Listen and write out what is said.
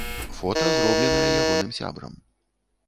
Фота зробленае ягоным сябрам.